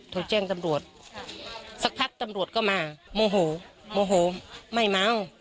โทรแจ้งตำรวจสักพักตำรวจก็มาโมโหโมโหไม่เมา